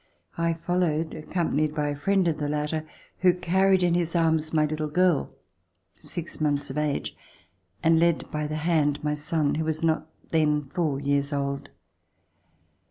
I followed, accompanied by a friend of the latter, who carried in his arms my little girl, six months of age, and led by the hand my son who was not then four years old.